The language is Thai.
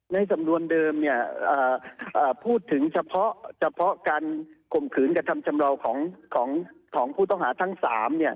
ในสำนวนเดิมพูดถึงเฉพาะการข่มขืนกระทำชำราวของผู้ต้องหาทั้ง๓